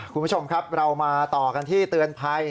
คุณผู้ชมครับเรามาต่อกันที่เตือนภัย